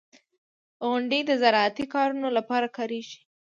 • غونډۍ د زراعتي کارونو لپاره کارېږي.